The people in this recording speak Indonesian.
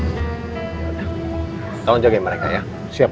jadi dari berosa tanggungjaga mereka ya siapa